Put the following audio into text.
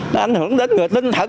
nó ảnh hưởng đến người tin thật